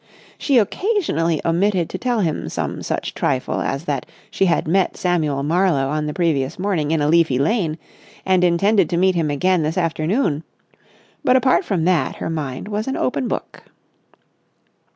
She occasionally omitted to tell him some such trifle as that she had met Samuel Marlowe on the previous morning in a leafy lane, and intended to meet him again this afternoon, but apart from that her mind was an open book.